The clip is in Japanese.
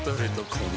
この